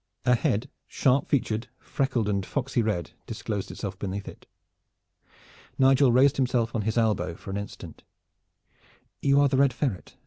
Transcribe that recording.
A head, sharp featured, freckled and foxy red, disclosed itself beneath it. Nigel raised himself on his elbow for an instant. "You are the Red Ferret?"